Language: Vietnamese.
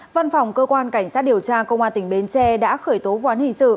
văn phòng cơ quan cảnh sát điều tra công an tỉnh bến tre đã khởi tố võn hình sự